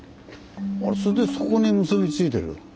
それでそこに結びついてる。